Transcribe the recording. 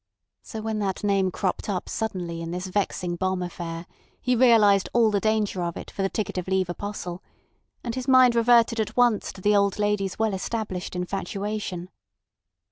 So when that name cropped up suddenly in this vexing bomb affair he realised all the danger of it for the ticket of leave apostle, and his mind reverted at once to the old lady's well established infatuation.